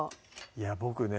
いや僕ね